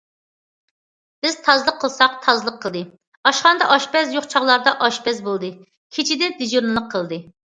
بىز تازىلىق قىلساق تازىلىق قىلدى، ئاشخانىدا ئاشپەز يوق چاغلاردا ئاشپەز بولدى، كېچىدە دىجورنىلىق قىلدى.